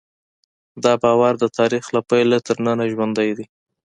دا باور د تاریخ له پیله تر ننه ژوندی دی.